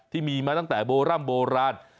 ที่มีมาตั้งแต่โบร่ำโบราณ